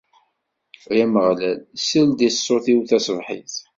Ay Ameɣlal, sel-d i ṣṣut-iw taṣebḥit.